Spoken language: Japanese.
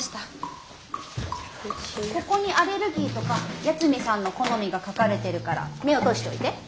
ここにアレルギーとか八海さんの好みが書かれてるから目を通しておいて。